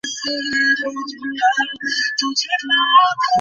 তাঁরা ধারণা করছিলেন, এটি গ্রিক সভ্যতার হারানো কোনো শহর হতে পারে।